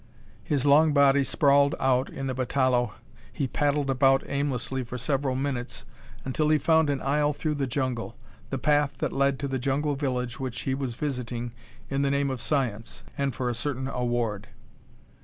His long body sprawled out in the batalõe, he paddled about aimlessly for several minutes until he found an aisle through the jungle the path that led to the jungle village which he was visiting in the name of science, and for a certain award.